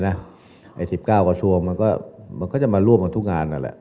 ไอ้๑๙กระชวงมันก็จะมาร่วมกับทุกงาน